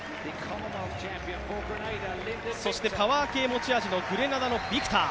パワー系持ち味のグレナダのビクター。